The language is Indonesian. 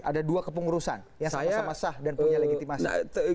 ada dua kepengurusan yang sama sama sah dan punya legitimasi